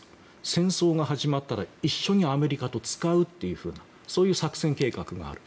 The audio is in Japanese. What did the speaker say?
戦争が始まったら一緒にアメリカと使うというそういう作戦計画がある。